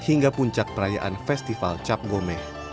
hingga puncak perayaan festival cap gomeh